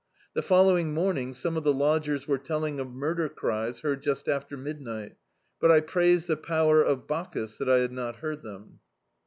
The following morn ing some of the lodgers were telling of murder cries heard just after midni^t, but I praised the power of Bacchus that I had not heard them.